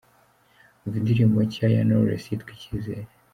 Umva indirimbo nshya ya Knowless yitwa ’Icyizere’ :.